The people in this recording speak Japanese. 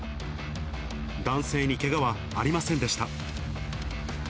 男性にけがはありませんでした。